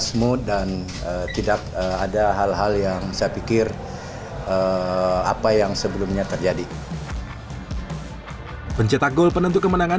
semoga di final kita memberikan kemenangan